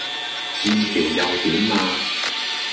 劍橋又點呀?